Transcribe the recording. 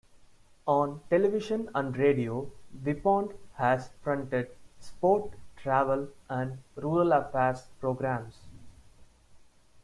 On television and radio Vipond has fronted sport, travel and rural affairs programmes.